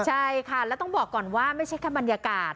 ใช่ค่ะแล้วต้องบอกก่อนว่าไม่ใช่แค่บรรยากาศ